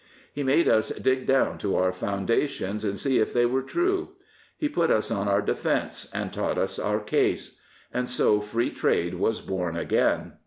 He made us dig down to our foundations and see if they were true. He put us on our defence, and taught us our case. And so Free Trade was born again.